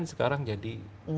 sekarang jadi delapan